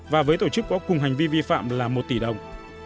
và với tổ chức có cùng hành vi vi phạm là một tỷ đồng